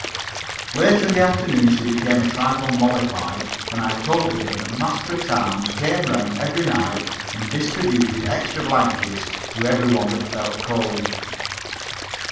Later in the afternoon she became a trifle mollified when I told her that the master at arms came around every night and distributed extra blankets to every one that felt cold.